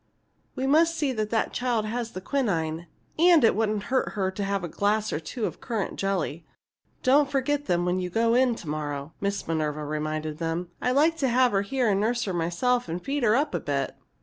"We must see that the child has the quinine, and it wouldn't hurt her to have a glass or two of currant jelly. Don't forget them when you go in to morrow," Miss Minerva reminded them. "I'd like to have her here and nurse her myself and feed her up a bit.